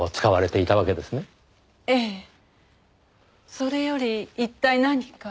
それより一体何か？